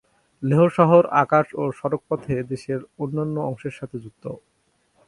লেহ শহর আকাশ ও সড়কপথে দেশের অন্যান্য অংশের সাথে যুক্ত।